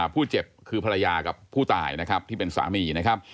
ผู้เจ็บคือภรรยากับผู้ตายที่เป็นสามี